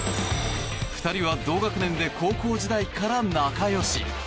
２人は同学年で高校時代から仲良し。